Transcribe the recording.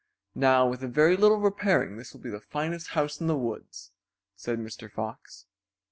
"Now with a very little repairing this will be the finest house in the woods," said Mr. Fox.